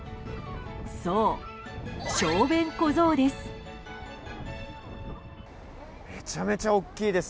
そう、小便小僧です。